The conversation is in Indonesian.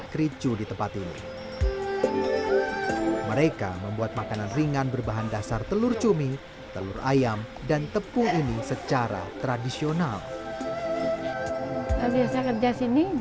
kalau hari ini harian kan